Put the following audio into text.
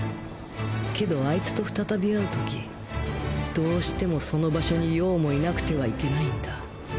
けどアイツと再び会うときどうしてもその場所に葉もいなくてはいけないんだ。